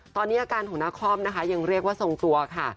ตอนนี้อาการของนาคอมนะคะยังเรียกว่าทรงตัวค่ะ